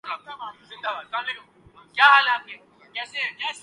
یہ وہ گیت ہے جو انقلاب کے موسم میں گایا جاتا ہے۔